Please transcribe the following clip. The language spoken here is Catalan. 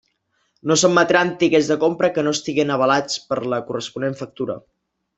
No s'admetran tiquets de compra que no estiguen avalats per la corresponent factura.